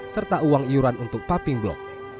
serta uang iuran untuk pupping blok